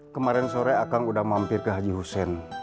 kemarin sore akang udah mampir ke haji hussein